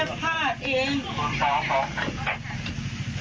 ติดเตียงได้ยินเสียงลูกสาวต้องโทรโทรศัพท์ไปหาคนมาช่วย